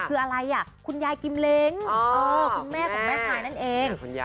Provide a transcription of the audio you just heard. คืออะไรอ่ะคุณยายกิมเล้งอ๋อคุณแม่ของแม่ไพนั่นเองคุณยาย